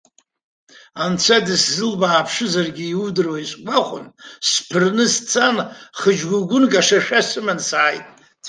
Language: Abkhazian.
Анцәа дысзылбааԥшызаргьы иудыруеи сгәахәын, сԥырны сцан хыџьгәыгәынк ашашәа сыманы сааит.